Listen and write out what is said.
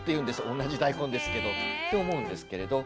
同じ大根ですけど。と思うんですけれど。